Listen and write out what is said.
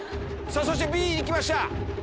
そしてＢいきました。